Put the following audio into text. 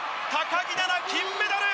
木菜那金メダル！